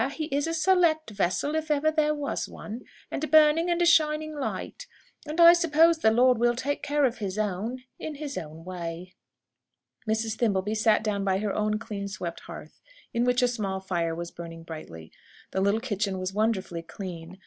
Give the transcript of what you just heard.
he is a select vessel, if ever there was one; and a burning and a shining light. And I suppose the Lord will take care of His own, in His own way." Mrs. Thimbleby sat down by her own clean swept hearth, in which a small fire was burning brightly. The little kitchen was wonderfully clean.